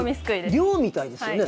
漁みたいですよね。